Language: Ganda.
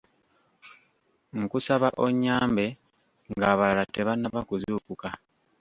Nkusaba onyambe ng'abalala tebanaba kuzuukuka.